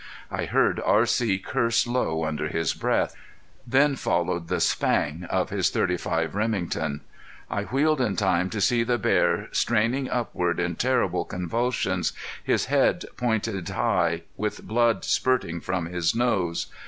I heard R.C. curse low under his breath. Then followed the spang of his .35 Remington. I wheeled in time to see the bear straining upward in terrible convulsion, his head pointed high, with blood spurting from his nose.